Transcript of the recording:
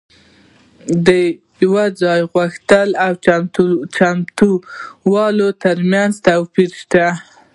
د يو څه د غوښتلو او چمتووالي ترمنځ توپير شته.